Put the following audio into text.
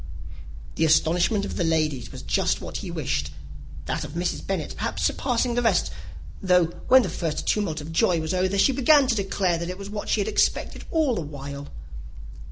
The astonishment of the ladies was just what he wished that of Mrs. Bennet perhaps surpassing the rest; though when the first tumult of joy was over, she began to declare that it was what she had expected all the while.